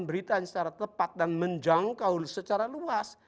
berita yang secara tepat dan menjangkau secara luas